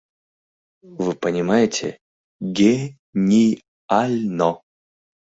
Вы понимаете: ге-ни-аль-но!